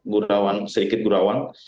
gurawan sedikit gurawan